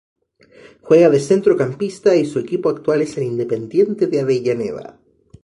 Juega de centrocampista y su equipo actual es el Independiente de Avellaneda.